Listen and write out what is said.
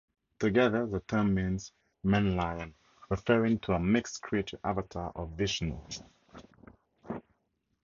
Together the term means "man-lion", referring to a mixed creature avatar of Vishnu.